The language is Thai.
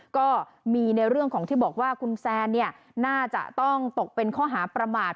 ก็มีในเรื่องของที่บอกว่าคุณแซนน่าจะต้องตกเป็นข้อหาประมาท